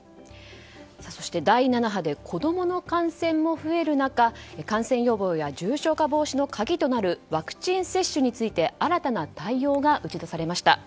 そして、第７波で子供の感染も増える中感染予防や重症化防止の鍵となるワクチン接種について新たな対応が打ち出されました。